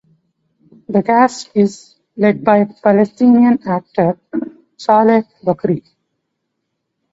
The cast is led by Palestinian actor Saleh Bakri.